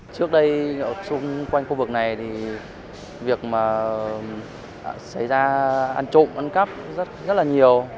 trước đây xung quanh khu vực này thì việc mà xảy ra ăn trộm ăn cắp rất là nhiều